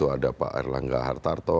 ada pak erlangga hartarto